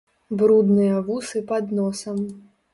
Брудныя вусы пад носам.